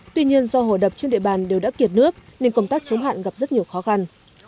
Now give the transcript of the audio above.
tuy nhiên do hồ đập trên địa bàn đều đã kiệt nước nên công tác chống hạn gặp rất nhiều khó khăn